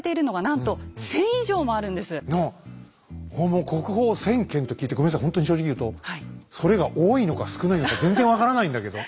もう国宝１，０００件と聞いてごめんなさいほんとに正直言うとそれが多いのか少ないのか全然分からないんだけど。